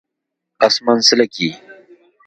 🦇 اسمان څلکي